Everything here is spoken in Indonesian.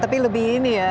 tapi lebih ini ya